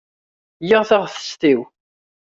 Giɣ taɣtest-iw.